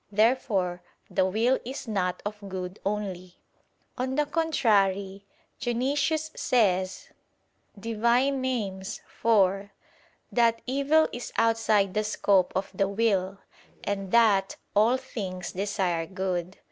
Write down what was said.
Therefore the will is not of good only. On the contrary, Dionysius says (Div. Nom. iv) that "evil is outside the scope of the will," and that "all things desire good."